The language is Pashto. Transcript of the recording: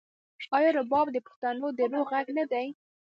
آیا رباب د پښتنو د روح غږ نه دی؟